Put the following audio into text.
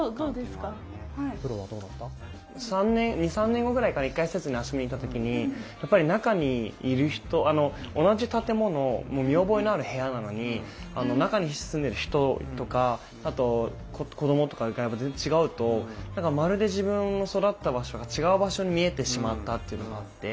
２３年後ぐらいかな一回施設に遊びに行った時にやっぱり中にいる人同じ建物見覚えのある部屋なのに中に住んでる人とかあと子どもとかが全然違うとまるで自分の育った場所が違う場所に見えてしまったっていうのがあって。